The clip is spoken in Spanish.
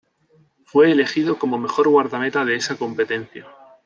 Fue elegido como mejor guardameta de esa competencia.